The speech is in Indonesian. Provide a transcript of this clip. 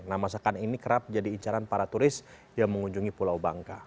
nah masakan ini kerap jadi incaran para turis yang mengunjungi pulau bangka